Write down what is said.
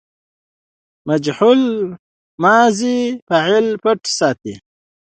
مجهول ماضي فاعل پټ ساتي.